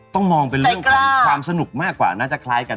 ต้องมองเป็นเรื่องของความสนุกมากกว่าน่าจะคล้ายกัน